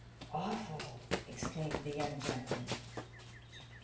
Awful !*• exclaimed the young gentleman.